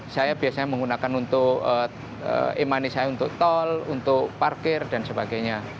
saya biasanya menggunakan untuk e money saya untuk tol untuk parkir dan sebagainya